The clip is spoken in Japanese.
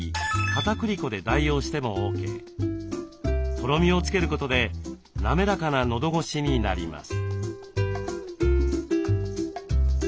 とろみをつけることで滑らかな喉ごしになります。